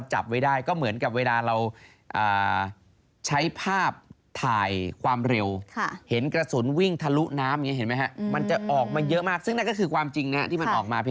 เหมือนกับเวดาเราใช้ภาพถ่ายความเร็วเห็นกระสุนวิ่งทะลุน้ำเห็นมั้ยฮะ